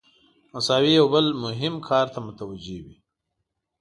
مساوي یو بل مهم کار ته متوجه وي.